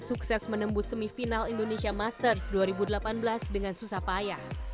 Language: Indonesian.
sukses menembus semifinal indonesia masters dua ribu delapan belas dengan susah payah